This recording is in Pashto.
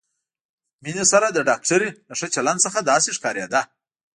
مينې سره د ډاکټرې له ښه چلند څخه داسې ښکارېده.